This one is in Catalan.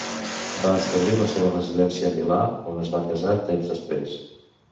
Va establir la seva residència a Milà, on es va casar temps després.